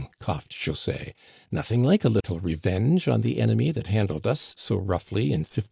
coughed José. Nothing like à little revenge on the enemy that handled us so roughly in *59."